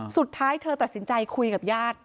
สุดท้ายเธอตัดสินใจคุยกับญาติ